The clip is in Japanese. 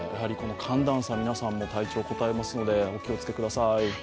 寒暖差、皆さんも体調にこたえますので、お気をつけください。